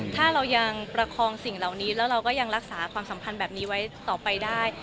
ถ้าเรายังประคองสิ่งเหล่านี้แล้วเราก็ยังรักษาความสัมพันธ์แบบนี้ไว้ต่อไปได้